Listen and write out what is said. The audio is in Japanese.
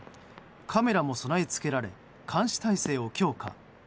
カメラも備え付けられ監視体制を強化。